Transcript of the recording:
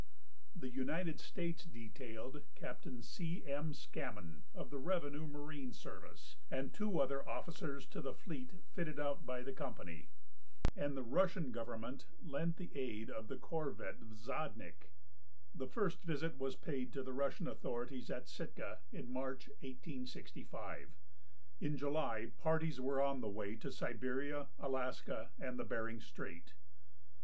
The United States detailed Capt. C. M. Scam mon, of the Revenue Marine Service, and two other officers to the fleet fitted out by the company, and the Russian government lent the aid of the corvette Vsadnik, The first visit was paid to tlie Russian authorities at Sitka in March, 1865. In July par ties were on the way to Siberia, Alaska, and Eering strait.